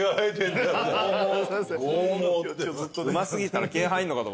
うま過ぎたら毛生えるのかと。